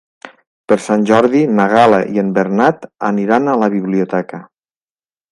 Per Sant Jordi na Gal·la i en Bernat aniran a la biblioteca.